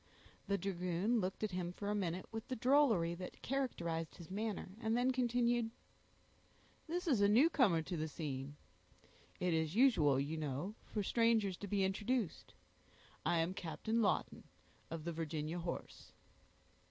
The dragoon looked at him for a minute with the drollery that characterized his manner, and then continued,— "This is a newcomer in the scene; it is usual, you know, for strangers to be introduced; I am Captain Lawton, of the Virginia horse."